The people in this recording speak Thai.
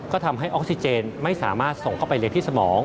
ก็ทำให้ออกซิเจนไม่สามารถส่งเข้าไปเรียนที่สมอง